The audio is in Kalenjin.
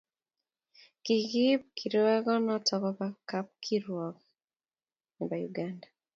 Kikiip kirwokenoto koba kapkirwokekab Uganda.